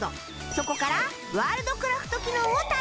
そこからワールドクラフト機能をタッチ